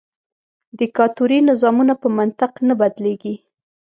دیکتاتوري نظامونه په منطق نه بدلیږي.